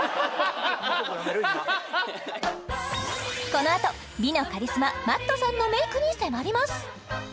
このあと美のカリスマＭａｔｔさんのメイクに迫ります！